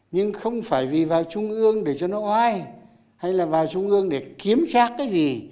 nhưng không phải vì vào trung ương để cho nó oai hay là vào trung ương để kiếm xác cái gì